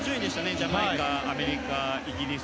ジャマイカ、アメリカイギリス。